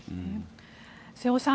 瀬尾さん